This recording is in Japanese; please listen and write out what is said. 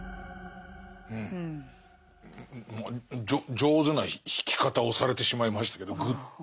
上手な引き方をされてしまいましたけどグッと。